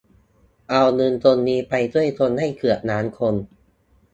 เอาเงินตรงนี้ไปช่วยคนได้เกือบล้านคน